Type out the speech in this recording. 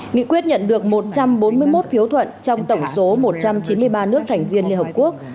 nghị quyết nhận được một trăm bốn mươi một phiếu thuận trong tổng số một trăm chín mươi ba nước thành viên liên hợp quốc